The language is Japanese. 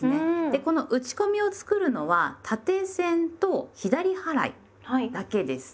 でこの打ち込みを作るのは縦線と左払いだけです。